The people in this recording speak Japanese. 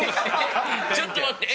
ちょっと待って。